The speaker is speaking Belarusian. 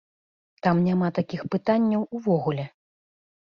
Там няма такіх пытанняў увогуле.